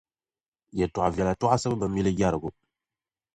Yɛtɔɣ’ viɛla tɔɣisibu bi mili jɛrigu.